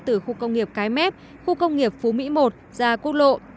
từ khu công nghiệp cái mép khu công nghiệp phú mỹ một ra quốc lộ